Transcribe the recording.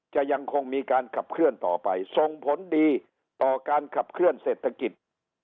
จะยังคงมีการขับเคลื่อนต่อไปส่งผลดีต่อการขับเคลื่อนเศรษฐกิจ